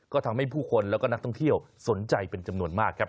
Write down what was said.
ก็ทำให้ผู้คนแล้วก็นักท่องเที่ยวสนใจเป็นจำนวนมากครับ